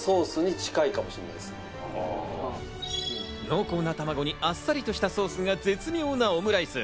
濃厚な卵にあっさりとしたソースが絶妙なオムライス。